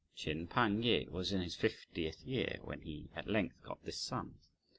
Ch'in Pang yeh was in his fiftieth year when he at length got this son.